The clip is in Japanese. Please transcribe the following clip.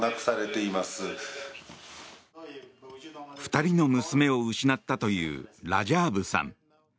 ２人の娘を失ったというラジャーブさん。